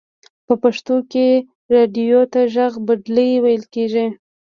په پښتو کې رادیو ته ژغ ډبلی ویل کیږی.